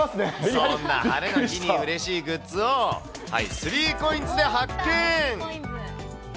そんな晴れの日にうれしいグッズを、３コインズで発見。